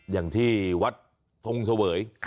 อย่างที่วัดทงเสวย